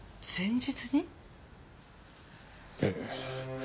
ええ。